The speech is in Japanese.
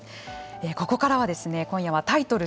ここからはですね、今夜はタイトル